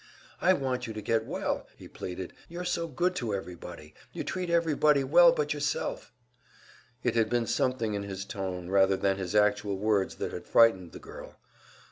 "I want you to get well," he pleaded. "You're so good to everybody you treat everybody well but yourself!" It had been something in his tone rather than his actual words that had frightened the girl.